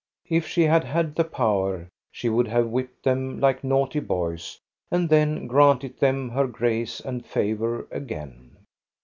If she had had the power, she would have whipped them like naughty boys and then granted them her grace and favor again.